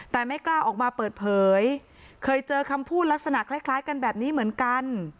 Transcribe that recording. แต่ไม่กล้าออกมาเปิดเผยเคยเจอคำพูดลักษณะคล้ายกันแบบนี้เหมือนกัน